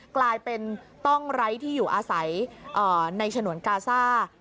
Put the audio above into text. กลายเป็นต้องไร้ที่อยู่อาศัยในฉนวนกาซ่า